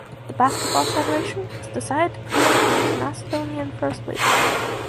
The Basketball Federation has decided to promote them to Macedonian First League.